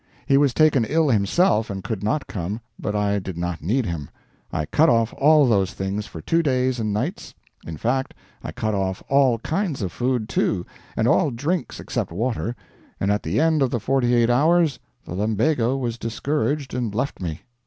He was taken ill himself and could not come; but I did not need him. I cut off all those things for two days and nights; in fact, I cut off all kinds of food, too, and all drinks except water, and at the end of the forty eight hours the lumbago was discouraged and left me.